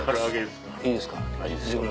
いいですか。